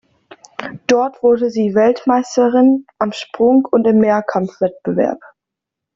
Dort wurde sie Weltmeisterin am Sprung und im Mehrkampf-Wettbewerb.